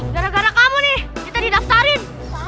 gara gara kamu nih kita didaftarin